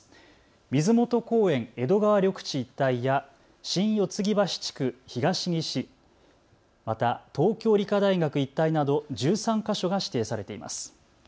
水元公園・江戸川緑地一帯や新四ツ木橋地区東岸、また東京理科大学一帯など１３か所が指定されています。